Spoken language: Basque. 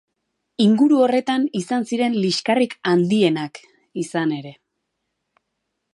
Inguru horretan izan ziren liskarrik handienak, izan ere.